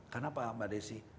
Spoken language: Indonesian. karena apa mbak desy